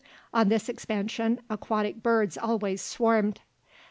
On this expansion aquatic birds always swarmed.